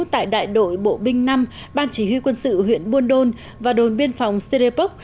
tại đại đội bộ binh năm ban chỉ huy quân sự huyện buôn đôn và đồn biên phòng serepok